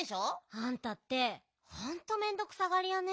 あんたってほんとめんどくさがりやね。